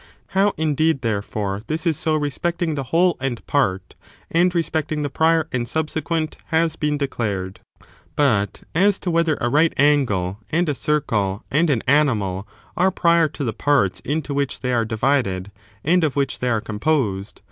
How, indeed, therefore, this is so respecting the whole and part, and respecting the prior and subsequent, has been declai'ed. But as to whether a right angle, and a circle, 7. xwa soiu and an animal, are prior to the parts into which *»<>» adapted as a reoly to a they are divided, and of which they are composed